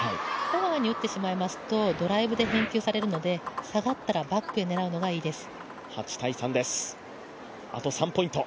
フォアに打ってしまいますとドライブで返球されますので下がったらバックで狙うのがいいです。